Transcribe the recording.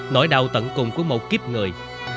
nỗi đau tận cùng của một kiếp người